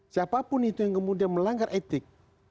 siapapun itu yang kemudian melanggar etik